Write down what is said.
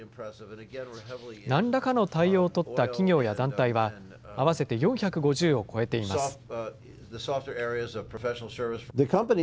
なんらかの対応を取った企業や団体は、合わせて４５０を超えています。